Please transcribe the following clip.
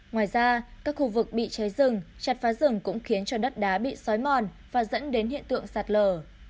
ngoài ra các khu vực bị cháy rừng chặt phá rừng cũng khiến cho đất đá bị xói mòn và dẫn đến hiện tượng sạt lở